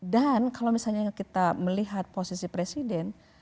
dan kalau misalnya kita melihat posisi presiden